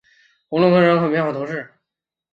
红科隆日人口变化图示